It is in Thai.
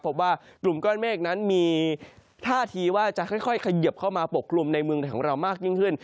พบว่ากลุ่มก้อนเมฆนั้นมีท่าทีว่าจะค่อยเขยิบเข้ามาปกกลุ่มในเมืองไทยของเรามากยิ่งขึ้น